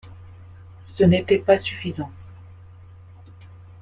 Ce n’était pas suffisant.